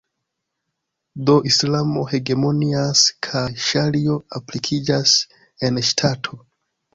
Do, Islamo hegemonias kaj Ŝario aplikiĝas en la ŝtato.